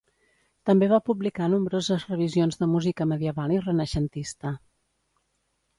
També va publicar nombroses revisions de música medieval i renaixentista.